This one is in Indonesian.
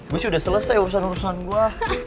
gue sih udah selesai urusan urusan gue